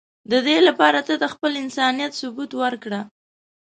د دی لپاره ته د خپل انسانیت ثبوت ورکړه.